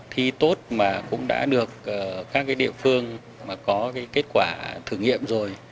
thì tốt mà cũng đã được các cái địa phương mà có cái kết quả thử nghiệm rồi